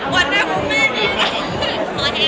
วันแรกผมไม่มีอะไร